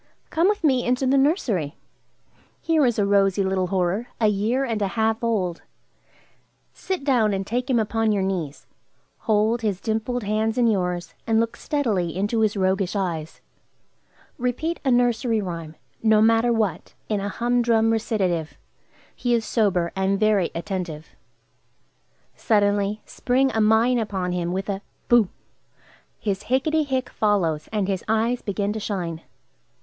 Come with me into the nursery. Here is a rosy little horror, a year and a half old. Sit down and take him upon your knees. Hold his dimpled hands in yours, and look steadily into his roguish eyes. Repeat a nursery rhyme, no matter what, in a humdrum recitative; he is sober, and very attentive. Suddenly spring a mine upon him with a "Boo!" His "Hicketty hick!" follows, and his eyes begin to shine.